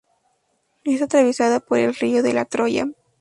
Es atravesada por el río de la Troya.